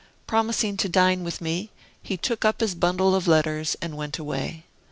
Promising to dine with me, he took up his bundle of letters and went away.